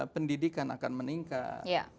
pendidikan akan meningkat